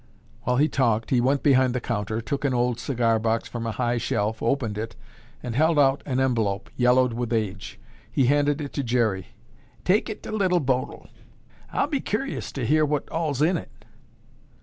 While he talked, he went behind his counter, took an old cigar box from a high shelf, opened it and held out an envelope, yellowed with age. He handed it to Jerry. "Take it to Little Bodil. I'll be cu'ros to hear what all's in it."